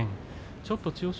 ちょっと千代翔